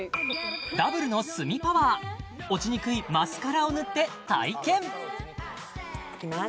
ダブルの炭パワー落ちにくいマスカラを塗って体験いきます